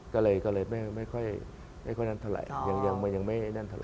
ก็เลยไม่ค่อยงั้นเท่าไหร่